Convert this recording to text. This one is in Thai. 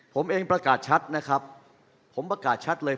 ผมเองประกาศชัดนะครับผมประกาศชัดเลย